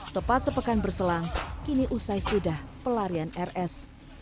tepat sepekan berselang kini usai sudah pelarian rs